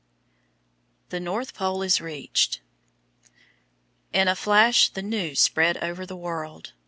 "The North Pole is reached." In a flash the news spread over the world.